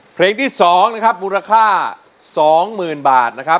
เพลงที่๒ณมูลค่า๒๐๐๐บาท